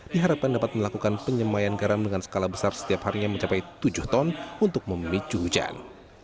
diharapkan dapat melakukan penyemayan garam dengan skala besar setiap harinya mencapai tujuh ton untuk memicu hujan